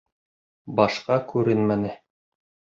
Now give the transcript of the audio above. Башҡа күренмәне.